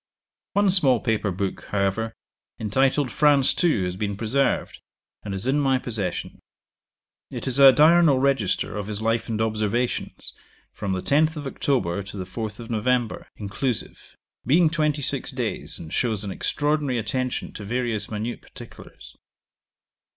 One small paper book, however, entitled 'FRANCE II,' has been preserved, and is in my possession. It is a diurnal register of his life and observations, from the 10th of October to the 4th of November, inclusive, being twenty six days, and shows an extraordinary attention to various minute particulars.